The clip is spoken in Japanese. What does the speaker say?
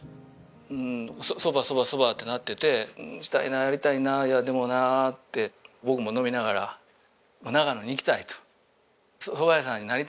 蕎麦蕎麦蕎麦ってなってて打ちたいなやりたいないやでもなって僕も飲みながら長野に行きたいと蕎麦屋さんになりたいんやと。